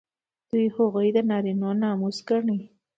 دوی هغوی د نارینه وو ناموس ګڼي.